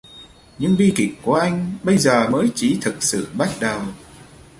Nhưng bi kịch của anh bây giờ mới chỉ thực sự bắt đầu